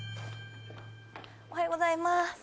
おはようございます。